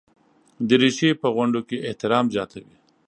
دریشي په غونډو کې احترام زیاتوي.